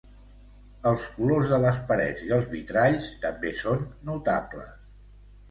Els colors de les parets i els vitralls també són notables.